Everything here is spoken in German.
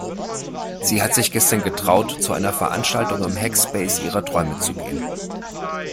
Sie hat sich gestern getraut, zu einer Veranstaltung im Hackspace ihrer Träume zu gehen.